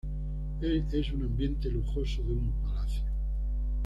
Es un ambiente lujoso de un palacio.